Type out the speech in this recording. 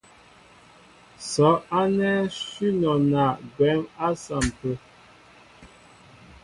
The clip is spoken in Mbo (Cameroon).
Sɔ́' ánɛ́ shʉ́ nɔna gwɛ̌m á saḿpə.